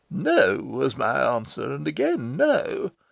'No' was my answer, and again 'No.